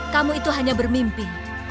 kamu itu hanya bermimpi